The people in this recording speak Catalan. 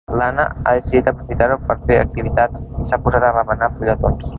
L'Anna ha decidit aprofitar-ho per fer activitats i s'ha posat a remenar fulletons.